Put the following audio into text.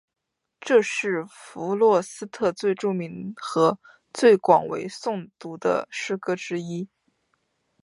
这是弗罗斯特最著名和最广为诵读的诗歌之一。